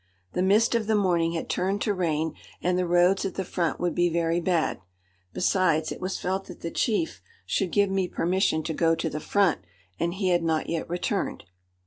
The mist of the morning had turned to rain, and the roads at the front would be very bad. Besides, it was felt that the "Chief" should give me permission to go to the front, and he had not yet returned.